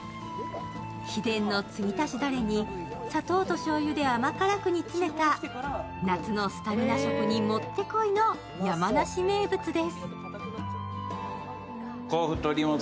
秘伝の継ぎ足しタレに砂糖としょうゆで甘辛く煮詰めた夏のスタミナ食にもってこいの山梨名物です。